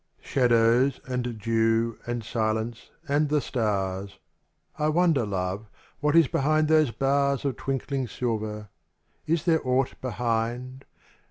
IHADOWS and dew and silence and the stars; I wonder, love, what is behind those bars Of twinkling silver, — is there aught behind